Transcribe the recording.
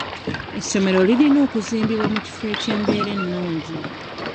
Essomero lirina okuzimbibwa mu kifo eky'embeera ennungi.